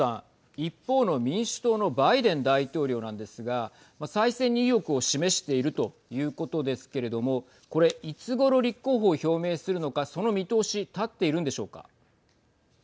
一方の民主党のバイデン大統領なんですがまあ、再選に意欲を示しているということですけれどもこれいつごろ立候補を表明するのかその見通し立っているんでしょうか。